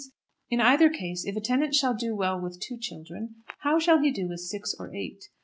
In either case, if a tenant shall do well with two children, how shall he do with six or eight?